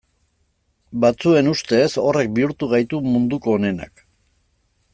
Batzuen ustez horrek bihurtu gaitu munduko onenak.